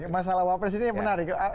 masalah wapres ini menarik